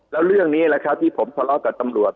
แล้วเรื่องนี้แหละครับที่ผมทะเลาะกับตำรวจ